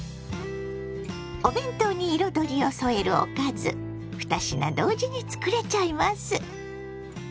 お弁当に彩りを添えるおかず二品同時に作れちゃいます。